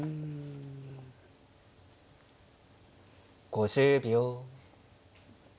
５０秒。